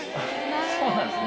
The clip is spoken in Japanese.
そうなんすね。